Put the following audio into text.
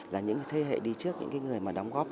là những thế hệ đi trước những người mà đóng góp